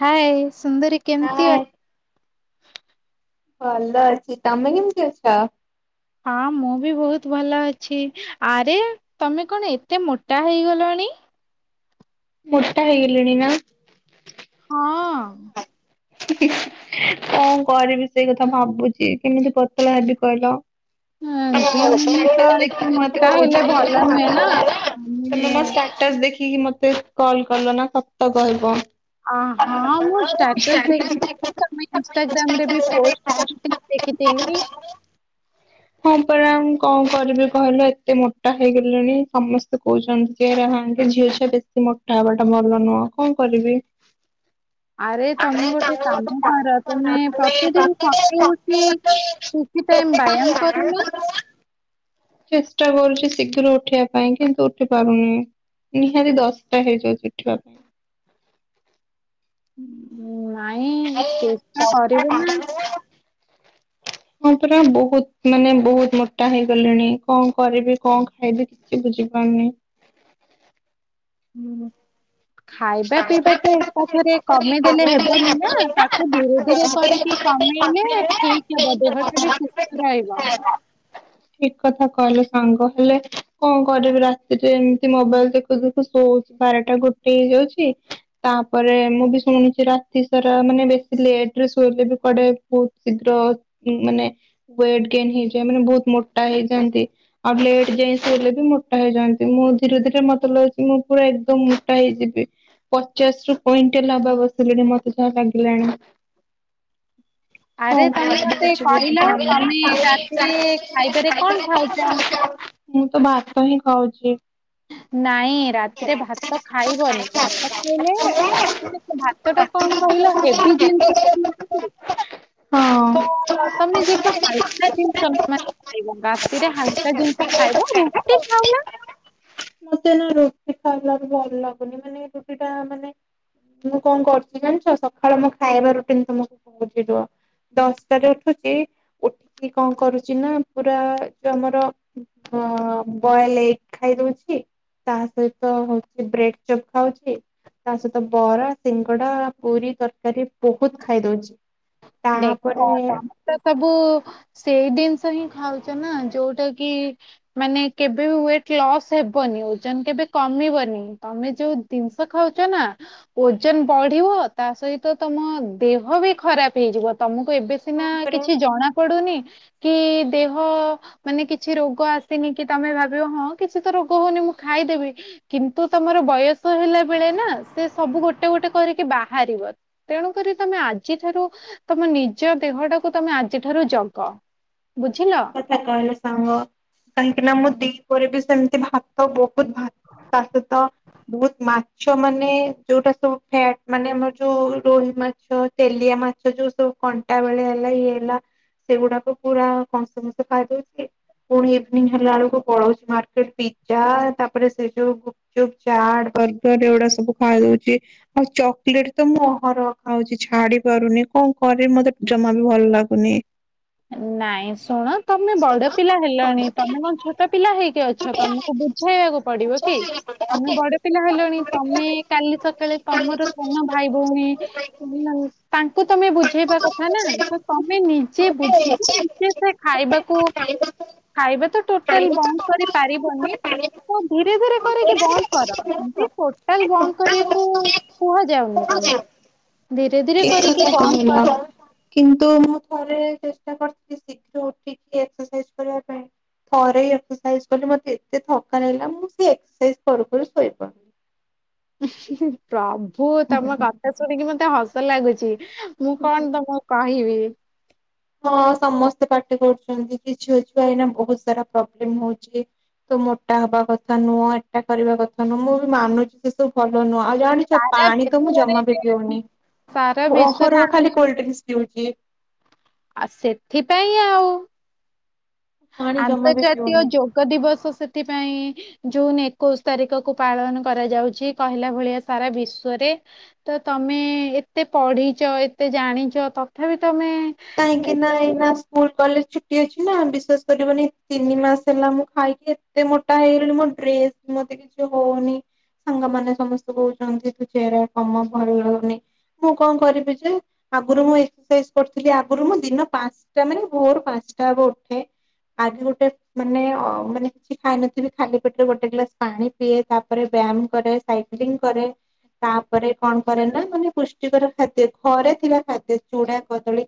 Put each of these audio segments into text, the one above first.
ହାଏ, ସୁନ୍ଦରୀ କେମିତି ଅ ହାଏ ଭଲ ଅଛି, ତମେ କେମିତି ଅଛ? ହଁ ମୁଁ ବି ବହୁତ ଭଲ ଅଛି, ଆରେ ତମେ କଣ ଏତେ ମୋଟା ହେଇଗଲଣି? ମୋଟା ହେଇଗଲିଣି ନା? ହଁ ଅଁ କଣ କରିବି ସେଇ କଥା ଭାବୁଛି, କେମିତି ପତଳା ହେବି କହିଲ? [unintelligible] ଝିଅ ଟାସ ମାନେ ତ ଏତେ ଦେଖିକି ମୋଟା ହେଲେ ଭଲ ନୁହେଁ ନା। ଆମେ ମତେ କଲ ନା ସତ କହିବ? ଅ ହଁ ମୁଁ ଷ୍ଟାଟସ ଦେଖୁଛି। ତମେ ଇନଷ୍ଟାଗ୍ରାମ ରେ ବି ପୋଷ୍ଟ କରିକି ଦେଖିଥିଲି। ହଁ ପରା, ମୁଁ କଣ କରିବି କହିଲ ଏତେ ମୋଟା ହେଇଗଲିଣି ସମସ୍ତେ କହୁଛନ୍ତି। [unintelligible] ଝିଅ ଛୁଆ ବେଶୀ ମୋଟା ହବା ଟା ଭଲ ନୁହଁ କଣ କରିବି? ଆରେ ତମେ ଗୋଟେ କାମ କର, ତମେ ପ୍ରତିଦିନ ସକାଳୁ ଉଠି କିଛି ଟାଇମ ବ୍ୟାୟାମ କରୁନା? ଚେଷ୍ଟା କରୁଛି ଶୀଘ୍ର ଉଠିବା ପାଇଁ, କିନ୍ତୁ ଉଠି ପାରୁନି ନିହାତି ଦଶଟା ହେଇଯାଉଛି ଉଠିବା ପାଇଁ ନାଇଁ ଚେଷ୍ଟା କରିବୁ ନା ହଁ ପୁରା ବହୁତ ମାନେ, ବହୁତ ମୋଟା ହେଇଗଲିଣି, କଣ କରିବି, କଣ ଖାଇବି? କିଛି ବୁଝିପାରୁନି। ହୁଁ ଖାଇବା ପିଇବା ତ ଏକା ଥରେ କମିଦେଲେ ହେବନି ନା, ତାକୁ ଧୀରେ ଧୀରେ କରିକି କମେଇଲେ ଠିକ ହବ, ଦେହଟା ବି ସୁସ୍ଥ ରହିବ ଠିକ କଥା କହିଲେ ସାଙ୍ଗ, ହେଲେ କଣ କରିବି? ରାତିରେ ଏମିତି ମୋବାଇଲ ଦେ ଦେଖ ଶ ବାରଟା ଗୋଟେ ହେଇଯାଉଛି ତାପରେ ମୁଁ ବି ଶୁଣୁଛି ରାତି ସାରା ମାନେ ବେଶୀ ଲେଟ ରେ ଶୋଇଲେ ବି କଆଡେ ବହୁତ ଶୀଘ୍ର ମାନେ ୱଟ ଗେନ୍ ହେଇଯାଏ ମାନେ ବହୁତ ମୋଟା ହେଇଯାନ୍ତି ଆଉ ଲେଟ ଯାଇ ଶୋଇଲେ ବି ମୋଟା ହେଇଯାଆନ୍ତି ମୁଁ ଧୀରେ ଧୀରେ ମତେ ଲାଗୁଛି ମୁଁ ପୁରା ଏକଦମ ମୋଟା ହେଇଯିବି ପଚାଶ ରୁ କୁଇଣ୍ଟାଲ ହବା ବସିଲେଣି ମତେ ଯାହା ଲାଗିଲାଣି ଆରେ ତମେ ମତେ କହିଲ ତମେ ରାତିରେ ଖାଇବାରେ କଣ ଖାଉଛ? ମୁଁ ମୁଁ ତ ଭାତ ହିଁ ଖାଉଛି। ନାଇଁ ରାତିରେ ଭାତ ଖାଇବନି ଭାତ ଖାଇଲେ ଭାତ ଟା କଣ କହିଲ ହେବି ଜିନିଷ କି ହଁ ତ ତମେ ଯେ କ ହାଲକା ଖାଇବ ରାତିରେ ହାଲକା ଜିନିଷ ଖାଇବ ରୁଟି ଖାଉ ନା ମତେ ରୁଟି ଖାଇଲା ବି ଭଲ ଲାଗୁନି ମାନେ ରୁଟି ଟା ମାନେ ମୁଁ କଣ କରୁଛି ଜାଣିଛ ସକାଳୁ ମୋ ଖାଇବା ରୁଟିନ ତମକୁ ପହଞ୍ଚିଯିବ। ଦଶଟାରେ ଉଠୁଛି ଉଠିକି କଣ କରୁଛି ନା ପୁରା ଯୋଉ ଆମର ବଏଲ ଏଗ ଖାଇ ଦଉଛି ତା ସହିତ ହଉଛି ବ୍ରେଡ ଚପ୍ ଖାଉଛି। ତା ସହିତ ବରା ସିଙ୍ଗଡା ପୁରୀ ତରକାରୀ ବହୁତ ଖାଇଦଉଛି। ଦେଖ ତମେ ତ ସବୁ ସେଇ ଜିନିଷ ହିଁ ଖାଉଛ ନା ଯୋଉଟା କି ମାନେ କେବେ ୱେଟ ଲସ୍ ହେବନି ଓଜନ କେବେ କମିବନି ତମେ ଯୋଉ ଜିନିଷ ଖାଉଛ ନା ଓଜନ ବଢିବ ତା ସହିତ ତମ ଦେହ ବି ଖରାପ ହେଇଯିବ ତମକୁ ଏବେ ହଁ ସିନା ପରା କିଛି ଜଣା ପଡୁନି କି ଦେହ ମାନେ କିଛି ରୋଗ ଆସିନି କି ତମେ ଭାବିବ ହଁ କିଛି ତ ରୋଗ ହଉନି ମୁଁ ଖାଇଦେବି କିନ୍ତୁ ତମର ବୟସ ହେଲା ବେଳେ ନା ସେ ସବୁ ଗୋଟେ ଗୋଟେ କରିକି ବାହାରିବ। ତେଣୁ କରି ତମେ ଆଜିଠାରୁ ତମ ନିଜ ଦେହ ଟାକୁ ତମେ ଆଜିଠାରୁ ଜଗ ବୁଝିଲ କଥା କହିଲେ ସାଙ୍ଗ କାହିଁକି ନା ମୁଁ ଦିପରେ ବି ସେମିତି ଭାତ ତ ବହୁତ ଭାତ ସହିତ ବହୁତ ମାଛ ମାଛ ମାନେ ଯୋଉଟା ସବୁ ଫ୍ୟାଟ ମାନେ ଆମର ଯୋଉ ରୋହି ମାଛ ତେଲିଆ ମାଛ ଯୋଉ ସବୁ ଟା ବେଳେ ହେଲା ଇଏ ହେଲା ସେଗୁଡାକ ପୁରା କଂସ ଫସ ଖାଇଦଉଛି ପୁଣି ଇଭିନିଂ ହେଲା ବେଳକୁ ପଳଉଛି ମାର୍କେଟ ପିଜଜା ତାପରେ ସେ ଯୋଉ ଚୁପ୍ ଚାଟ ବର୍ଗର ଏଗୁଡା ସବୁ ଖାଇ ଦଉଛି ଆଉ ଚକୋଲେଟ ତ ମୁଁ ଅରହ ଖାଉଛି ଛାଡି ପାରୁନି କଣ କରିବି ମତେ ଜମା ବି ଭଲ ଲାଗୁନି ନାଇଁ ଶୁଣ ତମେ ବଡ ପିଲା ହେଲାଣି ତମେ କଣ ଛୋଟ ପିଲା ହେଇକି ଅଛ ତମକୁ ବୁଝେଇବାକୁ ପଡିବ କି ତମେ ବଡ ପିଲା ହେଲଣି ତମେ କାଲି ସକାଳେ ତମର ସାନ ଭାଇ ଭଉଣୀ ତାଙ୍କୁ ତମେ ବୁଝେଇବା କଥା ନା ତ ତମେ ନିଜେ ବୁଝ ସେ ଖାଇବାକୁ ଖାଇବା ତ ଟୋଟାଲ ବନ୍ଦ କରି ପାରିବନି ତ ଧୀରେ ଧୀରେ କରିକି ବନ୍ଦ କର ଏତି ଟୋଟାଲ ବନ୍ଦ କରିବାକୁ କୁହାଯାଉନି ତମକୁ ଧୀରେ ଧୀରେ କରିକି ବନ୍ଦ କର କିନ୍ତୁ ମୁଁ ଥରେ ଚେଷ୍ଟା କରିଥିଲି ଶୀଘ୍ର ଉଠିକି ଏକ୍ସରସାଇଜ କରିବା ପାଇଁ। ଥରେ ହି ଏକ୍ସରସାଇଜ କଲି ମତେ ଏତେ ଥକା ଲାଗିଲା ମୁଁ ସେ ଏକ୍ସରସାଇଜ କରୁ କରୁ ଶୋଇପଡ଼ିଲି। ହୁଁ ହୁଁ ହୁଁ ପ୍ରଭୁ ତମ କଥା ଶୁଣିକି ମତେ ହସ ଲାଗୁଛି ମୁଁ କଣ ତମ କହିବି। ହଁ ସମସ୍ତେ ପାଟି କରୁଛନ୍ତି କିଛି ଝିଅ ଛୁଆ ଏଇନା ବହୁତ ସାରା ପ୍ରୋବ୍ଲେମ ହଉଛି। ତୁ ମୋଟା ହବା କଥା ନୁହଁ ଏଟା କରିବା କଥା ନୁହଁ ମୁଁ ବି ମାନୁଛି ସେ ସବୁ ଭଲ ନୁହଁ ଆଉ ଜାଣି ସାରା ସେପାଣି ତ ମୁଁ ବିଶ୍ଵରେ ଜମା ବି ପିଉନି ସାରା ଅହ ବିଶ୍ଵରେ ରହ ଖାଲି କୋଲଡ୍ରିଙ୍କସ ପିଉଛି। ଆଉ ସେଥିପାଇଁ ଆଉ। ପାଣି ଜମା ବି ଆନ୍ତର୍ଜାତୀୟ ପିଉନି। ଯୋଗ ଦିବସ ସେଥିପାଇଁ। ଜୁନ ଏକୋଇଶି ତାରିଖ କୁ ପାଳନ କରାଯାଉଛି କହିଲା ଭଳିଆ ସାରା ବିଶ୍ଵରେ। ତ ତମେ ଏତେ ପଢିଛ ଏତେ ଜାଣିଛ ତଥାପି ତମେ। କାହିଁକି ଏ ନା ତ ଏଇନା ସ୍କୁଲ କଲେଜ ଛୁଟି ଅଛି ନା ବିଶ୍ୱାସ କରିବନି ତିନି ମାସ ହେଲା ମୁଁ ଖାଇକି ଏତେ ମୋଟା ହେଇଗଲି ମୋ ଡ୍ରେସ ବି ମତେ କିଛି ହଉନି। ସାଙ୍ଗ ମାନେ ସମସ୍ତେ କହୁଛନ୍ତି ତୁ ଚେହେରା କମା ଭଲ ଲାଗୁନି। ମୁଁ କଣ କରିବି ଯେ ଆଗରୁ ମୁଁ ଏକସରସାଇଜ କରୁଥି ଥିଲି ଆଗରୁ ମୁଁ ଦିନ ପାଞ୍ଚଟା ମାନେ ଭୋର ପାଞ୍ଚଟା ହବ୍ ଉଠେ ଆଗେ ଗୋଟେ ମାନେ ଅ ମାନେ କିଛି ଖାଇନଥିବି ଖାଲି ପେଟରେ ଗୋଟେ ଗ୍ଲାସ ପାଣି ପିଏ ତାପରେ ବ୍ୟାୟାମ କରେ। ସାଇକ୍ଲିଙ୍ଗ କରେ। ତାପରେ କଣ କରେ ନା ମାନେ ପୁଷ୍ଟିକର ଖାଦ୍ୟ ଘରେ ଥିଲା ଖାଦ୍ୟ ଚୁଡା କଦଳୀ।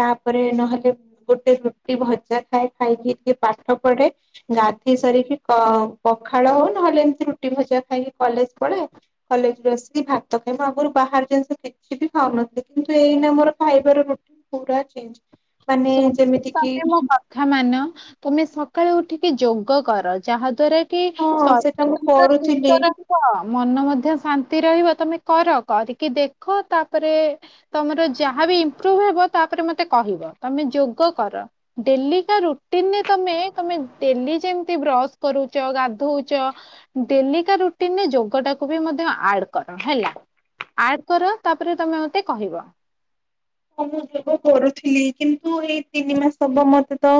ତାପରେ ନହେଲେ। ଗୋଟେ ରୁଟି ଭଜା ଖାଏ ଖାଇକି ଟିକେ ପାଠ ପଢେ। ଗାଧେଇ ସାରିକି କ ପଖାଳ ହଉ ନହେଲେ ଏମିତି ରୁଟି ଭଜା ଖାଇକି କଲେଜ ପଳାଏ କଲେଜରୁ ଆସିକି ଭାତ ଖାଇବ ଆଗରୁ ବାହାର ଜିନିଷ କିଛି ବି ଖାଉନଥିଲି କିନ୍ତୁ ଏଇନା ଆମର ଖାଇବାର ରୁ ପୁରା ଚେଞ୍ଜ ମାନେ ଶୁଣ ଯେମିତି କିି। ତମେ ମୋ କଥା ମାନ ତମେ ସକାଳୁ ଉଠିକି ଯୋଗ କର ଯାହା ଦ୍ଵାରା କି ସ ହଁ ଶରୀର ସେଟା ମୁଁ ତମର କରୁଥିଲି ସୁସ୍ଥ ରହି ହଁ ମନ ମଧ୍ୟ ଶାନ୍ତି ରହିବ ତମେ କର କରିକି ଦେଖ ତାପରେ। ତମର ଯାହା ବି ଇମ୍ପରୁଭ ହେବ ତାପରେ ମତେ କହିବ ତମେ ଯୋଗ କର। ଡେଲି କା ରୁଟିନରେ ତମେ ତମେ ଡେଲି ଯେମିତି ବ୍ରଶ କରୁଛ ଗାଧଉଛ। ଡେଲି କା ରୁଟିନରେ ଯୋଗ ଟାକୁ ବି ମଧ୍ୟ ଆଡ କର ହେଲା। ଆଡ କର ତାପରେ ତମେ ମତେ କହିବ। ହଁ ମୁଁ ଯୋଗ କରୁଥିଲି କିନ୍ତୁ ଏଇ ତିନି ମାସ ହବ ମତେ ତ।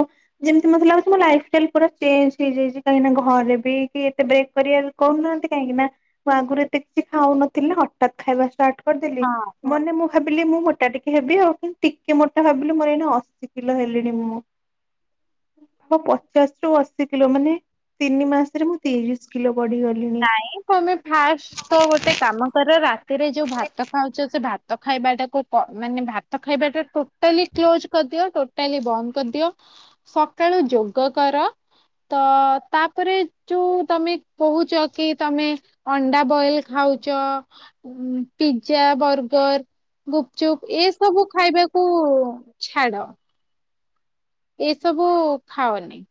ଯେମିତି ମତେ ଲାଗୁଛି ମୋ ଲାଇଫଷ୍ଟାଇଲ ପୁରା ଚେଞ୍ଜ ହେଇଯାଇଛି କାହିକିନା ଘରେ ବି କିଏ ଏତେ ବ୍ରେକ୍ କରିବା କହୁନାହାନ୍ତି କାହିଁକି ନା ମୁଁ ଆଗରୁ ଏତେ କିଛି ଖାଉନଥିଲି ହଠାତ୍ ଖାଇବା ଷ୍ଟାର୍ଟ କରିଦେଲି ହଁ ମାନେ ମୁଁ ଭାବିଲି ମୁଁ ମୋଟା ଟି ହେବି ଆଉ କିନ୍ତୁ ଟିକେ ମୋଟା ଭାବିଲି ମୋର ଏଇନା ଅଶୀ କିଲୋ ହେଲିଣି ମୁଁ। ହଁ ପଚାଶ ରୁ ଅଶି କିଲୋ ମାନେ ତିନି ମାସରେ ମୁଁ ତିରିଶ କିଲୋ ବଢିଗ ନାଇଁ ତମେ ଫାର୍ଷ୍ଟ ତ ଗୋଟେ କାମ କର ରାତିରେ ଯୋଉ ଭାତ ଖାଉ ଭାତ ଖାଇବାଟାକୁ ପ ମାନେ ଭାତ ଖାଇବାଟା ଟୋଟାଲି କ୍ଲୋଜ କରିଦିଅ ଟୋ ଟୋଟାଲି ବନ୍ଦ କରିଦିଅ ସକାଳୁ ଯୋଗ କର। ତ ତାପରେ ଯୋଉ ତମେ କହୁଛ କି ତମେ ଅଣ୍ଡା ବଏଲ ଖାଉଛ ଉଁ ପିଜା ବର୍ଗର। ଗୁପଚୁପ୍ ଏସବୁ ଖାଇବାକୁ ଛାଡ। ଏସବୁ ଖାଅନି।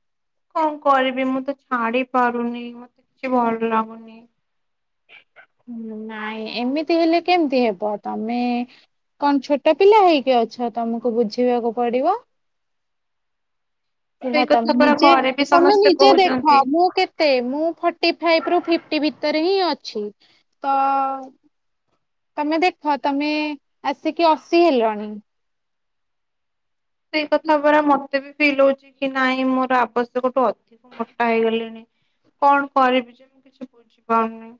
କଣ କରିବି ମୁଁ ତ ଛାଡି ପାରୁନି ମତେ କିଛି ଭଲ ଲାଗୁନି। ଉଁ ନାଇଁ ଏମିତି ହେଲେ କେମିତି ହେବ ତମେ। କଣ ଛୋଟ ପିଲା ହେଇକି ଅଛ ତମକୁ ବୁଝିବାକୁ ପଡିବ। ଏହା ସେଇ ତମେ କଥା ପରା ନିଜେ ଘରେ ବି ତମେ ସମସ୍ତେ ନିଜେ ଦେଖ କହୁଛନ୍ତି। ମୁଁ କେ ମତେ ମୁଁ ଫର୍ଟି ଫାଇଭ ରୁ। ତମେ ଦେଖ ତମେ ଆସିକି ଅସି ହେଲଣି। ସେଇ କଥା ପା ମତେ ବି ଫିଲ୍ ହଉ କଣ କରିବି ଯେ ମୁଁ କିଛି ବୁଝି ପାରୁନି।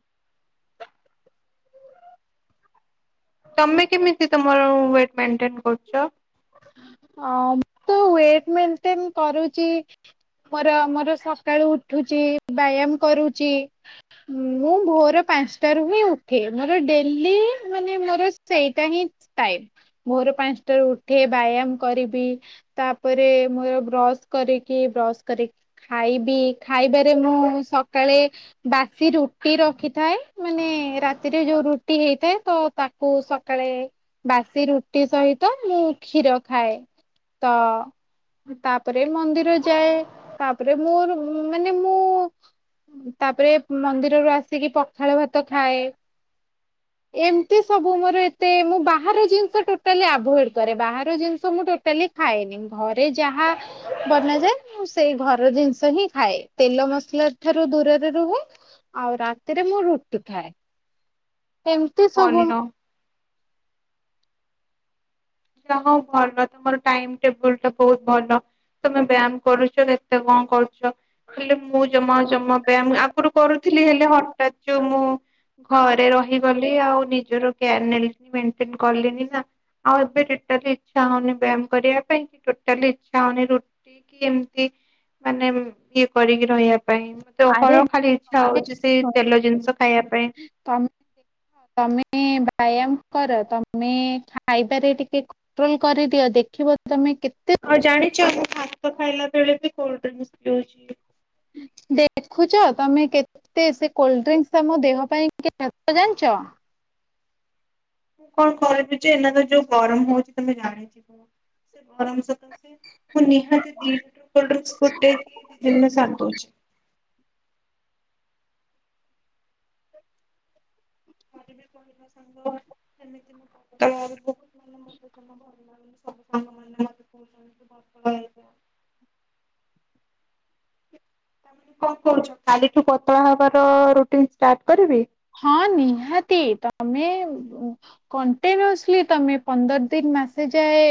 ତମେ କେମିତି ତମର ୱେଟ ମେଣ୍ଟେନ କରୁଛ। ହ ତ ୱେଟ ମେଣ୍ଟେନ କରୁଛି। ମୋର ମୋର ସକାଳୁ ଉଠୁଚି ବ୍ୟାୟାମ କରୁଛି। ମୁଁ ଭୋର ପାଞ୍ଚଟାରୁ ହିଁ ଉଠେ, ମୋର ଡେଲି ମାନେ ମୋର ସେଇଟା ହିଁ। ଟାଇମ ଭୋର୍ ପାଞ୍ଚଟାରୁ ଉ ଉଠି ବ୍ୟାୟାମ କରିବି ତାପରେ ମୋର ବ୍ରସ କରିକି ବ୍ରସ କରି ଖାଇବି ଖାଇବାରେ ମୁଁ ସକାଳେ ବାସି ରୁଟି ରଖିଥାଏ, ମାନେ ରାତିରେ ଯୋଉ ରୁଟି ହେଇଥାଏ ତ ତାକୁ ସକାଳେ ବାସି ରୁଟି ସହିତ ମୁଁ କ୍ଷୀର ଖାଏ ତ ତାପରେ ମନ୍ଦିର ଯାଏ ତାପରେ ମୋର ମାନେ ମୁଁ ତା ପରେ ମନ୍ଦିରରୁ ଆସିକି ପଖାଳ ଭାତ ଖାଏ। ଏମତି ସବୁ ମୋର ଏତେ ମୁଁ ବାହାର ଜିନିଷ ଟୋଟାଲି ଆଭୋଏଡ୍ କରେ। ବାହାର ଜିନିଷ ମୁଁ ଟୋଟାଲି ଖାଏନି ଘରେ ଯାହା ବନାଯାଏ ମୁଁ ସେଇ ଘର ଜିନିଷ ହିଁ ଖାଏ ତେଲ ମସଲା ଠାରୁ ଦୂରରେ ରୁହେ। ଆଉ ରାତିରେ ମୁଁ ରୁଟି ଖାଏ ଏମତି ସବୁ ଭଲ ଯାହୋଉ ଭଲ ତମର ଟାଇମ୍ ଟେବୁଲ୍ ତ ବୋହୁତ ଭଲ। ତମେ ବ୍ୟାମ କରୁଚ ଯେତେ କଣ କରୁଚ ହେଲେ ମୁଁ ଜମା ଜମା ବ୍ୟାମ୍ ଆଗୁରୁ କରୁଥୁଲି ହେଲେ ହଠାତ୍ ଯୋଉ ମୁଁ ଘରେ ରହିଗଲି ଆଉ ନିଜର କେୟାର୍ ନେଲିନି ମେଣ୍ଟେନ କଲିନି ନା ଆଉ ଏବେ ଟୋଟାଲି ଇଚ୍ଛା ହୋଉନି ବ୍ୟାମ କରିବା ପାଇଁ କି ଟୋଟାଲି ଇଛା ହୋଉନି ରୁଟି କି ଏମତି ମାନେ ଇଏ କରିକି ରହିବା ପାଇଁ ମ ତ ଆରେ ହଳ ଖାଲି ଇଛା ହୋଉଚି ସେଇ ତେଲ ଜିନିଷ ଖାଇବା ପାଇଁ। ତମେ ଦେଖ ତମେ ବ୍ୟାୟାମ କର ତମେ ଖାଇବାରେ ଟିକେ ଟ୍ରୋଲ୍ କରିଦିଅ ଦେଖିବ ତମେ କେତେ ଆଉ ଜାଣିଚ ମୁଁ ଭାତ ଖାଇଲା ବେଳେ ବି କୋଲଡ୍ରିଙ୍କସ୍ ପିଉଚି। ଦେଖୁଚ ତମେ କେ କେତେ ସେ କୋଲଡ୍ରିଙ୍କସ୍ ତମ ଦେହ ପାଇଁ କ୍ଷତ ଜାଣିଚ? ମୁଁ କଣ କରିବି ଯେ ଏଇନା ତ ଯୋଉ ଗରମ ହୋଉଚି ତମେ ଜାଣିଥିବ ସେ ଗରମ ସକାସେ ମୁଁ ନିହାତି ଦି ଦିନରୁ କୋଲଡ୍ରିଙ୍କସ୍ ଗୋଟେ କି ଦି ଦିନରେ ସାରି ଦୋଉଚି। କରିବି କହିଲ ସାଙ୍ଗ ହେମିତି ମୋ [unintelligible] ବୋହୁତ ମାନେ ମତେ ଯମା ଭଲ ଲାଗୁନି। ସବୁ ସାଙ୍ଗମାନେ ମତେ କୋହୁଚନ୍ତି ତୁ ପତଳା ହେଇଯା। ତା ମାନେ କଣ କହୁଚ କାଲିଠୁ ପତଳା ହବାର ରୁଟିନି ଷ୍ଟାର୍ଟ କରିବି? ହଁ ନିହାତି ତମେ ଉଁ କଣ୍ଟିନ୍ୟୁସଲି ତମେ ପନ୍ଦର ଦିନ ମାସେ ଯାଏ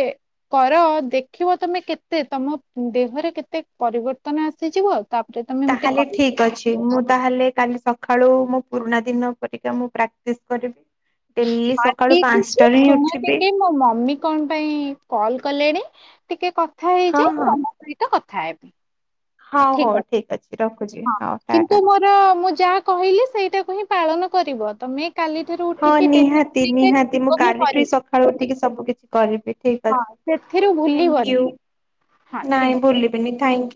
କର ଦେ ଦେଖିବ ତମେ କେତେ ତମ ଦେହରେ କେତେ ପରିବର୍ତ୍ତନ ଆସିଯିବ ତାପରେ ତମେ ମତେ ତାହେଲେ କହିବ। ଠିକ୍ ଅଛି। ମୁଁ ତାହେଲେ କାଲି ସଖାଳୁ ମୁଁ ପୁରୁଣା ଦିନ ପରିକା ମୁଁ ପ୍ରାଟିଶ୍ କରିବି। ଡେଲି ସକାଳୁ ଆଜି କିଛି ପାଞ୍ଚଟାରେ ହିଁ ଶୁଣ ଉଠିବି। ଟିକେ ମୋ ମମି କଣ ପାଇଁ କଲ୍ କଲେଣି ଟିକେ କଥା ହଁ ହେଇଯାଏ ତମ ସହିତ କଥା ହେବି। ହୋଉ ହେଉ ଠିକ ଅଛି ରଖୁଚି ହୋଉ ଟାଟା। ର ମୁଁ ଯାହା କହିଲି ସେଇଟାକୁ ହିଁ ପାଳନ କରିବ ତମେ କାଲିଠାରୁ ଉଠ୍ ହଁ ନିହାତି ନିହାତି ମୁଁ କାଲିଠୁ ହି ସକାଳୁ ଉଠିକି ସବୁ କିଛି କରିବି ଠିକ ଅ ହଁ ସେଥିରୁ ଭୁଲିବନି। ହଁ ଥ୍ୟାଙ୍କ ନାଇଁ ଭୁଲିବିନି ଥାଙ୍କ୍ୟୁ।